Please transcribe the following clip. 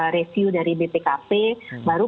review dari bpkp baru